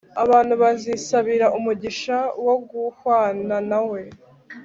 abantu bazisabira umugisha wo guhwana na we